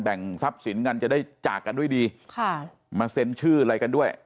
ทรัพย์สินกันจะได้จากกันด้วยดีค่ะมาเซ็นชื่ออะไรกันด้วย